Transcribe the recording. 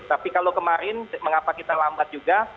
tapi kalau kemarin mengapa kita lambat juga